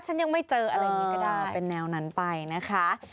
ฉันยังไม่เจออะไรอย่างนี้ก็ได้เป็นแนวนั้นไปนะคะ